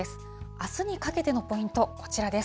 あすにかけてのポイント、こちらです。